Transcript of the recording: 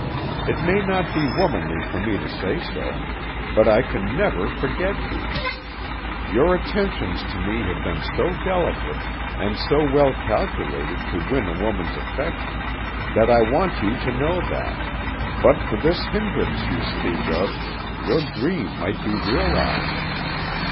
It may not be womanly for me to say so; but I can never forget you. Your attentions to me have been so delicate, and so well calculated to win a woman's affection, that I want you to know that, but for this hindrance you speak of, your dream might be realized.